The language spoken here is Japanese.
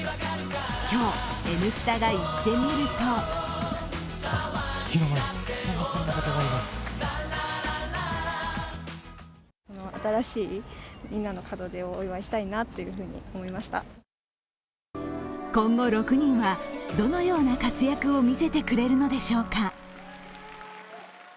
今日、「Ｎスタ」が行ってみると今後６人はどのような活躍を見せてくれるのでしょうか。